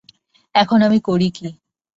এখন আমি করি কী।